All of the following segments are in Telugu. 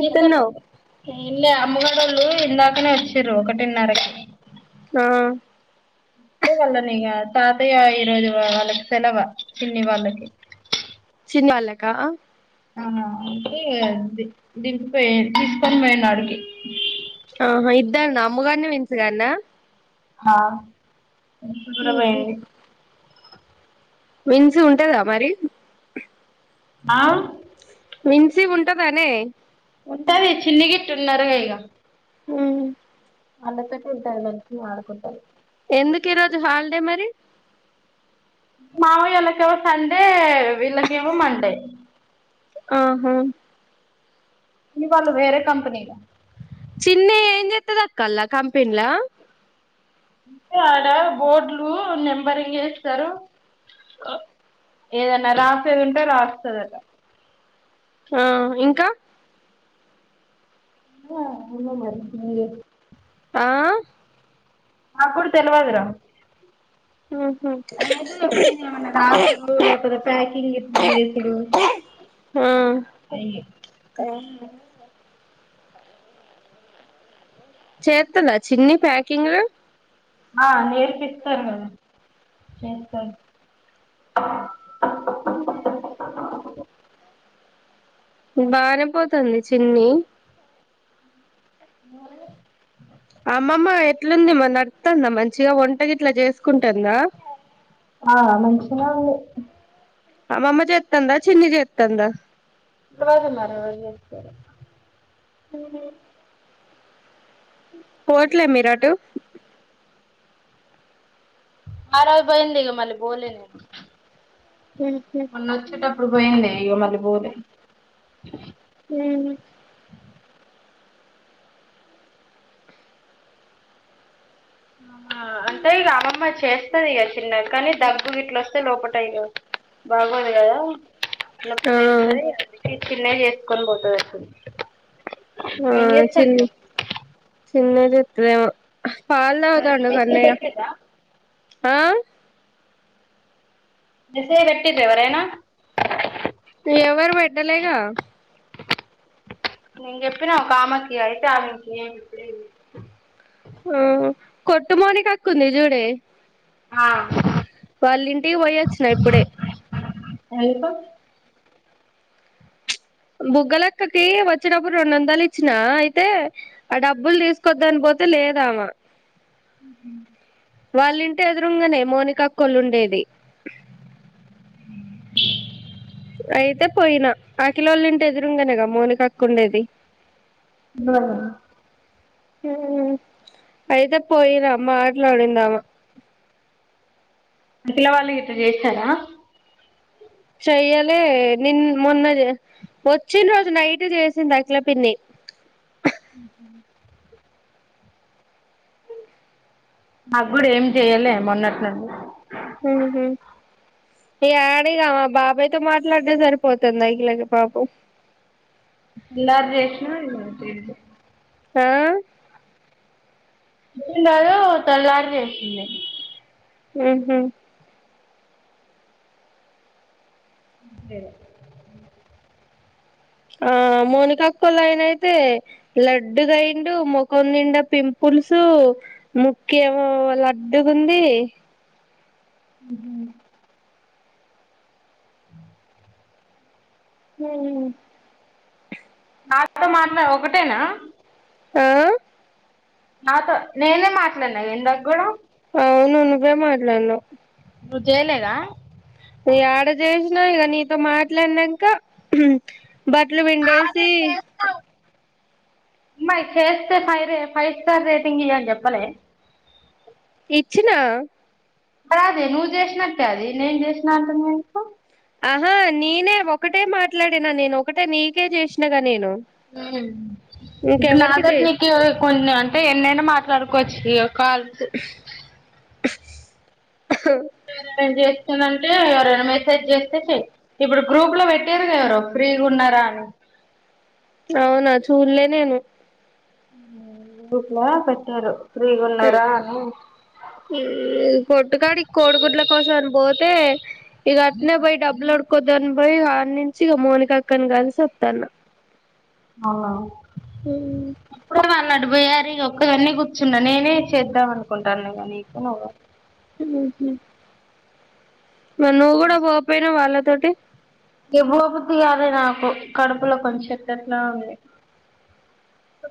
ఏం చేస్తునావ్ ఎం లే అమ్మగడోళ్ళు ఇందాకనే వచ్చిరు ఒకటిన్నరకి ఆ అంటే వాళ్ళనీ ఇగ తాతయ్య ఈరోోజు వాళ్ళకి సెలవా పిన్ని వాళ్ళకి చిన్న వల్లక ఆ అంటే దింపిపోయి తీసుకొని పోయాను ఆడికి ఆహా ఇద్దన్న అమ్ముగాని విన్సుగానా హా కూడా పోయిండు విన్సు ఉంటదా మరి ఆ మిన్సీ ఉంటదానే ఉంటది చిన్ని గిట్ట ఉన్నారు ఇగా ఉ వాళ్ళ పెట్టటి వెళ్ంటారు మనిషని ఆడుకుంటారు ఎందుకు ఈరోజు హాలిడే మరి మావాయోళ్ళకేవో సండే వీళ్ళకేవో మండే ఆహా పిన్నివాళ్ళు వెరే కంపనీ చిన్న ఏం చెత్తది అక్క అల్లా కంపెనీలా అంటే ఆడ బోర్డులు నెంబరింగ్ ఎస్తారు ఏదన్నా రాసేది ఉంటే రాస్తదట ఆ ఇంకా ఆ అమ మరి ఆ నా కూడా తెలివాదురా ఆహా అతే చెప్పంది ఏమన్నా రాసూడు లేకపోతే ప్యాకింగ్ ఎట్లా చేసుడు ఆ అ చెత్తద చిన్ని పాకింగ్ ఆ నేర్పిస్తారు కదా చేస్తారు ఉ బానే పోతుంది చిన్ని [inaudible] అమ్మమ్మ ఎట్లుంది మరి నడుస్తుందా మంచిగా వంటగిట్లా చేసుకుంటుందా ఆ మంచిగా ఉంది అమ్మమ్మ చేతనంద చిన్ని చేతంద [unintelligible] హ పోట్లే మీరు ఆటు ఆ రోజు బోయింది గా మళ బోలే న ఆ మొన్న వచ్చేటపుడు బోయిందే ఇగ మల్లి. బోలే ఉ అంటే ఇగా అమ్మమ్మ చేస్త. సరిగా కానీ దగ్గు గిట్లస్తే లోపట అయ బాగుదిగాద లేస్తది అ చిన్న చేస్త కోన్ పోతది ఏం చెస్ చిన్నది ఏమో పాలు తాగుతాండు మెసేజ్ కన్నయ్య. పెట్టిర్రా ఆ మెసేజ్ పెట్టిర్రవరైనా. ఎవరు పెట్టేలేగా. నేను చెప్పిన ఒక ఆమెకి అయితే ఆమెకి ఇయ్ ఆ కొట్టు మౌనికక్క ఉంది జూడే. ఆ వాళ్ళింటికి పోయొచ్చిన ఇప్పుడే ఎందుకు బుగ్గలెక్కకి వచ్చటప్పుడు రెండు వందలు ఇచ్చినా అయితే ఆ డబ్బులు తీసుకొద్దని పోతే లేదామా. వాళ్ళింటి ఎదురుంగనే మోనికకోళ్ళు ఉండేది. అయితే పోయినా అఖిలోల్ల ఇంటి ఎదురుంగనేగా మోనికక్క ఉండేది. ఆ ఉమ్ అయితే పోయినా మాట్లాడింది ఆమె. అఖిల వాళ్లు గిట్ల చేశారా. చెయ్యలే నిన్న మొన్న వచ్చిన రోజు నైట్ చేసింది. అఖిల పిన్ని నాకు కూడా ఏమి చేయలే మొన్నటి నుండి, ఉహు యడ ఇగ ఆమె బాబాయ్ తో మాట్లాడడం సరిపోతది అఖిలకి పాపం. తెల్లారి చేసిన ఇగ ఆ తెల్లారి చేసి ఉండే ఉహు లేదు. ఆ మోనికొక్కలయినైతే లడ్డుగాయిండు ముఖం నిండా పింపుల్సు ముక్కేమో లడ్డుగుంది. ఉహు ఉమ్ నాతో మాట్లాడు ఒకటేనా ఆ నాతో నేనే మాట్లాడినా ఇందాక కూడా. అవునును నువ్వే మాట్లాడినావ్ నువ్ చేయలేదా యాడ చేస్ నా ఇగ నీతో మాట్లాడినాంక బట్టలు పిండేసి అమ్మాయి చేస్తే ఫైవ్ రే ఫైవ్ స్టార్ రేటింగ్ ఇవ్వు అని చెప్పలే ఇచ్చినా అదే నువ్వు చేసినట్టే అది నేను చేసినా అంటున్నావ్ ఎందుకు ఆహా నేనే ఒకటే మాట్లాడినా నేను ఒకటే నీకే చేసినగా నేను ఉమ్ ఇప్పుడు ఇంకెవరికి నాద చెయ్ నీకు కొన్ని అంటే ఎన్నైనా మాట్లా సరుకొచ్చియో కాల్స్ [unintelligible] ఏం చేస్తుందంటే ఎవరైనా మెసేజ్ చేస్తే చెయ్ ఇప్పుడు గ్రూప్ లో పెట్టిర్రు కదా ఎవరో ఫ్రీగా ఉన్నారా అని అవునా చూలే నేను గ్రూప్ లో పెట్టారు ఫ్రీగా ఉన్నారా అని కొట్టుకాడికి కోడిగుడ్ల కోసం అని పోతే ఇగా అట్నే పోయి డబ్బులు అడుక్కొద్దాం అని పోయి ఆడి నుంచి మోనికా అక్కని కలిసి ఓత్తనా అవు ఇప్పుడే అన్నాడు వయ్యారి ఒక్కదన్న కూర్చున్నా నేనే చేద్దాం అనుకుంటాన ఇగ నీకు హుహు మరి నువ్వు కూడా పోపోయినవు వాళ్ల తొటి ఇగ పో బుద్ధి కాలే నాకు కడుపులో కొంచె ఎట్లేట్లానో ఉంది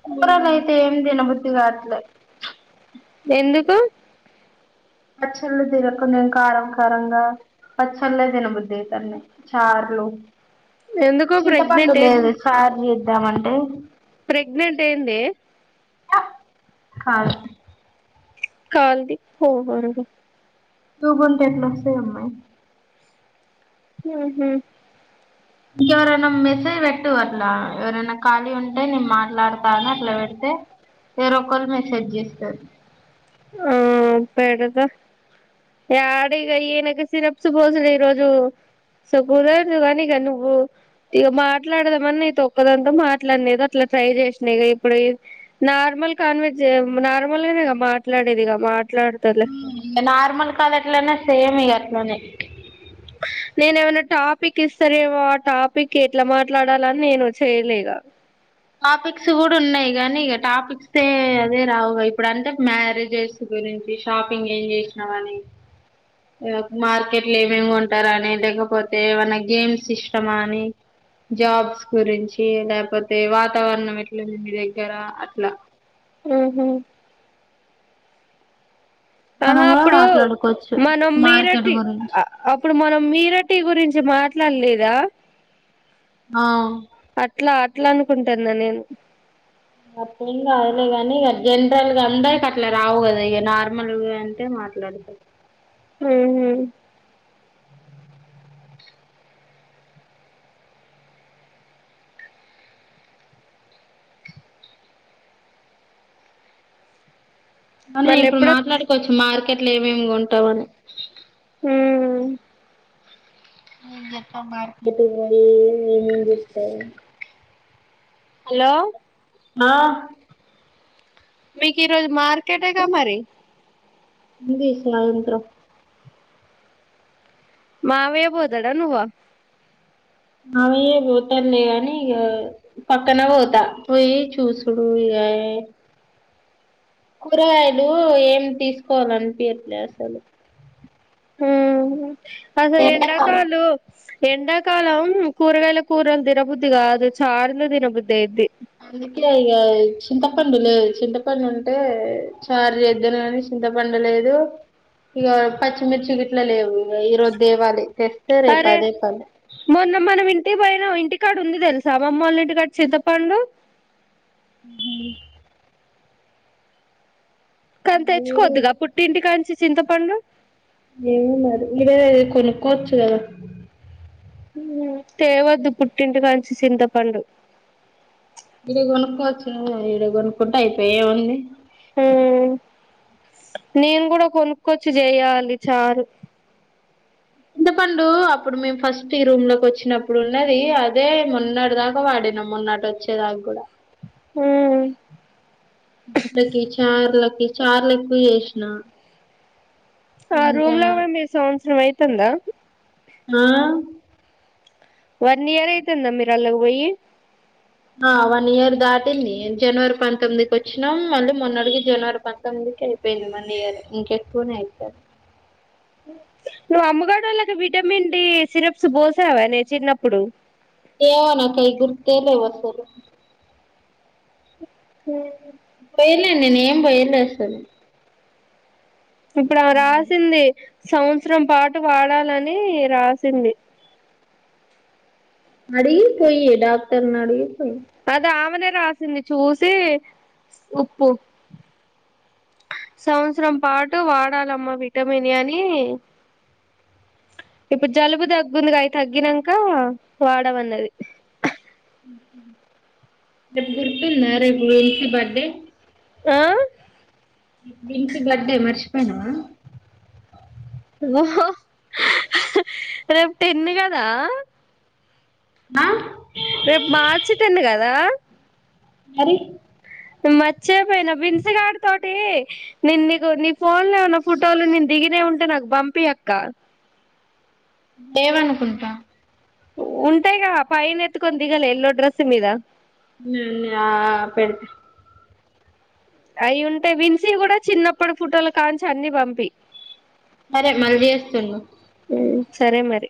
కూరల అయితే ఏం తిన బు ది కాట్లే ఎందుకు పచ్చళ్ళు తినకుండా కారం కారంగా పచ్చళ్లే తినబుద్ది అయితాంది చార్లు ఎందుకో చింతపండు ప్రెగ్నెంట్ ఏంది లేదు చారు చే దామంటే ప్రెగ్నెంట్ ఏంది కాదు కాల్ ది పోమ్ దూగుంటే ఎట్లా వస్తాయ్ అమ్మాయి హుహు ఇంకెవరైనా మెసేజ్ పెట్టు అట్లా ఎవరైనా ఖాళీ ఉంటే నేను మాట్లాడతా అని అట్లా పెడితే ఎవరో ఒకరు మెసేజ్ చేస్తారు ఆ పెడతా యడ ఇగా ఈయనక సిరప్స్ పోసుడు ఈరోజు సో కుదరదు కానీ ఇగా నువ్వు ఇగా మాట్లాడదామని నీతో ఒక్కదానితో మాట్లాడినా అట్లా ట్రై చేసిన ఇక ఇప్పుడు నార్మల్ కాన్వజ్ నార్మల్గానే మా మాట్లాడేదిగా మాట్లాడతలే నార్మల్ కాల్ ఎట్లానో సేమ్ ఇగ అట్లనే నేను ఏమైనా టాపిక్ ఇస్తారేమో ఆ టాపిక్ ఎట్లా మాట్లాడాలని నేను చేయలేగా టాపిక్స్ కూడా ఉన్నాయి కాగానీ ఇక టాపిక్స్ త అదే రావుగా ఇప్పుడు అంటే మ్యారేజెస్ గురించి షాపింగ్ ఏం చేసినామని మార్కెట్ లో ఏమేమి కొంటారని లేకపోతే ఏమన్నా గేమ్స్ ఇష్టమా అని జాబ్స్ గురించి లేకపోతే అతే వాతావరణం ఎట్లంది మీ దగ్గర అట్లా ఆహ మనం ఆహా కూడా అప్పుడు మాట్లాడుకోవచ్చు మనం మార్కెట్ మీరటి గురించి అప్పుడు మనం మీరటి గురించి మా ఎట్లా లేదా ఆ అట్లా ఎట్లా అనుకుంటాన్నా నేను మొత్తం అదులే ని ఇక జనరల్గా అందా ఇక అట్లా రావు కదా ఇక నార్మల్గా అంటే మాట్లాడదు ఉహామ్ మనం మళ్ళీ ఇప్పుడు మాట్లాడుకోవచ్చు మార్కెట్ ఏట్లో ఏం ఏం కొంన్ ట్టవానే ఎప్పుడో ఎమ్ చేస్తాం మార్కెట్ కీ పోయి హలో ఆ మీకు ఈరోజు మార్కెటేగా మరి ఉంది సాయంత్రం మావే పోతడ నువ్వా అవయ పోతలే కానీ ఇక పక్కన పోతా పోయి చూసుడు ఇక కూరగాయలు ఏం తీసుకోవాలనిపియట్లే అసలు హ్మ్ అద ఎడా ఎండాకాలం కాలు ఎండాకాలం కూరగాయల కూరలు దినబుద్ధి కాదు చార్లు దినబుద్ధి అయిది ఇ ఇక చింతపండు లేదు చింతపండు ఉంటే చార్ ఎదును కానీ చింతపండు లేదు ఇక పచ్చిమిర్చి గట్లా లేవు ఇ ఈరోజు దేవాలి తెస్త రే అరే పదే పదే మొన్న మనం ఇంటికి పోయిన ఇంటికాడ ఉంది తెలుసా మమ్మ వాళ్ళ ఇంటికాడ చితప్పండు ఉహామ్ కనీ ఈడే తెచ్చుకోద్దుగా పుట్టింటి కానించి చింతపండు ఏమన్నారు ఇడే కొనుక్కోవచ్చు కదా తేవద్దు పుట్టింటికంచి చింతపండు ఇడే కొనుక్కోవచ్చు ఇడే కొనుక్కుంటే అయిపోయ ఏముంది [inaudible] మ్మ్ నేను కూడా కొనుక్కొచ్చి చేయాలి చారు ఎంత పండు అప్పుడు మేము ఫస్ట్ ఈ రూమ్ లోకి వచ్చినప్పుడు ఉన్నది అదే మొన్నటి దాకా వాడినాం మొన్న ఆటోచే దాకా కూడా మ్మ్ కి చర్లకి చార్లు ఎక్కువ చేసిన ఆ రూమ్ ఇంకా లో కూడా మీరు స నీదైతందా నో వన్ ఇయర్ అయితేంద మీరళ్లకు పోయి ఆ వన్ ఇయర్ దాటింది. జనవరి పంతొమ్మిదికి వచ్చినాం మళ్ళీ మొన్న అడికి జనవరి పంతొమ్మిదికి అయిపోయింది వన్ ఇయర్ ఇంకెక్కువనే అయిపోయింది నువ్వు అమ్మగడోళ్ళకి విటమిన్ డి సిరప్స్ పోసావానే చిన్నప్పుడు ఏమో నాకేం గుర్తే లేదసలు మ్మ్ బయల్దేరుదామే పోయిలే అసలు ఇప్పుడా నాకు తెలుసు రాసింది సంవత్సరం పాటు వాడాలని రాసింది అడిగి పోయి డాక్టర్నడుగు అదా ఆమెనే రాసింది చూసి ఉప్పు సంవత్సరం పాటు వాడాలమ్మా విటమినే అని ఇప్పుడు జలుబు దగ్గుంది అవి తగ్గినంక వాడమన్నది [unintelligible] రేపు బర్డే ఆ విన్సీ బర్డే మర్చిపోయినావా ఓ రేపు టెన్ కదా ఆ రేపు మార్చి టెన్ కదా మరి మర్చేపోయిన విన్స్ గాడ తోటి నేను నీకు నీ ఫోన్ లో ఉన్న ఫుటోలు నేను దిగినవి ఉంటే నాకు పంపి అక్క లేవనుకుంట ఉంటాయి కదా పైన్ ఎత్కొని దిగలే ఎల్లో డ్రెస్సు మీద ఉన్నాయి ఉన్నాయి ఆ పెడితే అయి ఉంటే విన్సీ కూడా చిన్నప్పుడు ఫుటోలు కాంచి అన్ని పంపి సరే మళ్ళీ చేస్తున్నా సరే మరి